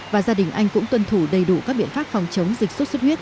và gia đình anh cũng tuân thủ đầy đủ các biện pháp phòng chống dịch sốt xuất huyết